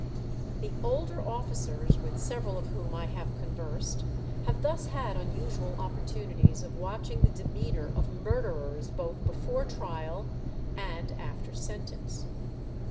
The older officers, with several of whom I have conversed, have thus had unusual opportunities of watching the demeanour of murderers both before trial and after sentence.